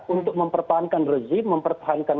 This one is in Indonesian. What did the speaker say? untuk mempertahankan rezim mempertahankan